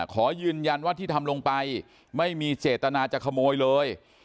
ขอยืนยันว่าที่ทำลงไปไม่มีเจตนาจะขโมยเลย